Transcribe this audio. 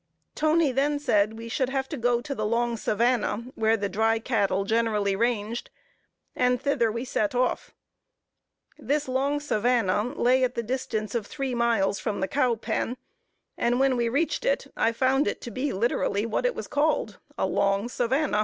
Toney then said, we should have to go to the long savanna, where the dry cattle generally ranged, and thither we set off. This long savanna lay at the distance of three miles from the cow pen, and when we reached it, I found it to be literally what it was called, a long savanna.